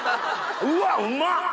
うわっうまっ！